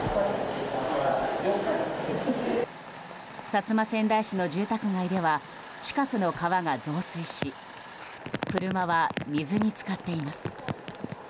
薩摩川内市の住宅街では近くの川が増水し車は水に浸かっています。